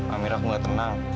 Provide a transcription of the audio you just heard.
amira aku gak tenang